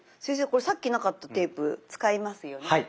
先生これさっきなかったテープ使いますよね？